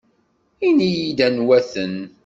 Ini-iyi-d anwa-ten.